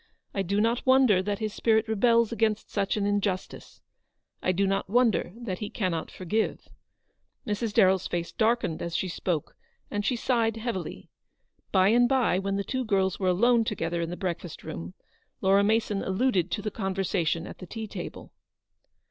I do not wonder that his spirit rebels against such an injustice. I do not wonder that he cannot forgive." Mrs. DarrelFs face darkened as she spoke, and she sighed heavily. By and by, when the two girls were alone together in the breakfast room, Laura Mason alluded to the conversation at the tea table.